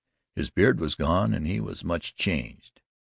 His beard was gone and he was much changed.